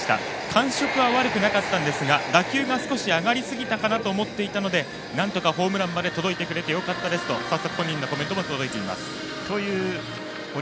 感触は悪くなかったんですが打球が少し上がりすぎたかなと思っていたのでなんとかホームラン届いてくれてよかったですと早速、本人のコメントが届いています。